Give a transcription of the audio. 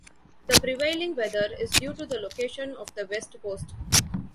The prevailing weather is due to the location of the West Coast.